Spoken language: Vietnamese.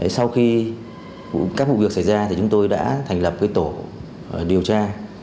sau khi các vụ việc xảy ra thì chúng tôi đã thành lập cái tổ điều tra